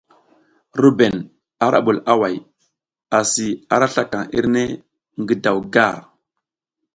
RUBEN ara bul away, asi ara slakaŋ irne ngi daw gar.